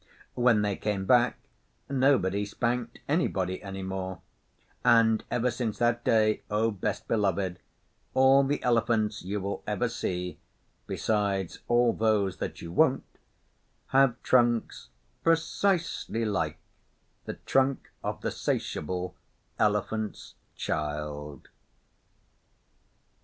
When they came back nobody spanked anybody any more; and ever since that day, O Best Beloved, all the Elephants you will ever see, besides all those that you won't, have trunks precisely like the trunk of the 'satiable Elephant's Child.